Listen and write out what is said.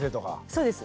そうです。